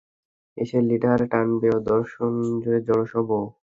এসে লিভার টানবে ও, দর্শক ভয়ে জড়সড়।